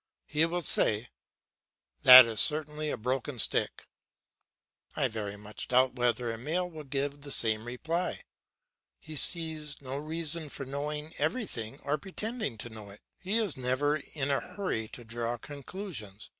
He will say, "That is certainly a broken stick." I very much doubt whether Emile will give the same reply. He sees no reason for knowing everything or pretending to know it; he is never in a hurry to draw conclusions.